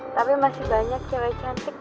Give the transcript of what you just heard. tapi masih banyak cewek cantik